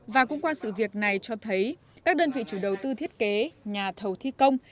và cũng qua sự việc này cho thấy các đơn vị chủ đầu tư thiết kế nhà thầu thi công